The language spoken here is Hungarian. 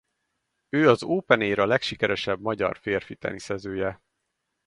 Ő az open era legsikeresebb magyar férfi teniszezője.